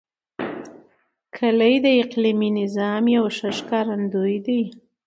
کلي د اقلیمي نظام یو ښه ښکارندوی دی.